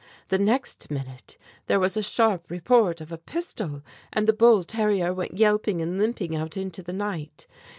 The next minute there was a sharp report of a pistol, and the bull terrier went yelping and limping out into the night.